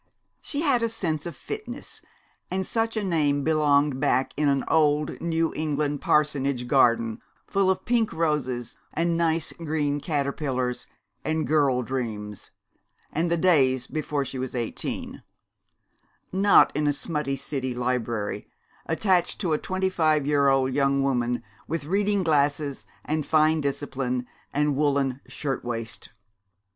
She had a sense of fitness; and such a name belonged back in an old New England parsonage garden full of pink roses and nice green caterpillars and girl dreams, and the days before she was eighteen: not in a smutty city library, attached to a twenty five year old young woman with reading glasses and fine discipline and a woolen shirt waist!